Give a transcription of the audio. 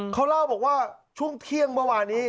เขาเล่าบอกว่าช่วงเที่ยงเมื่อวานนี้